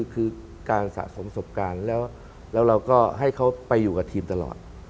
คือการสะสมประสบการณ์แล้วเราก็ให้เขาไปอยู่กับทีมตลอด